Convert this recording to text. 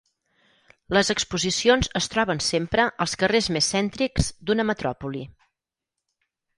Les exposicions es troben sempre als carrers més cèntrics d'una metròpoli.